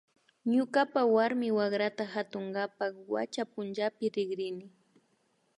Ñukapa warmi wakrata katunkapak wacha punchapi rikrini